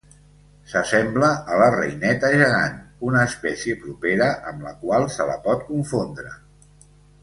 S'assembla a la reineta gegant, una espècie propera amb la qual se la pot confondre.